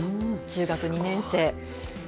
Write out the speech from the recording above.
中学２年生。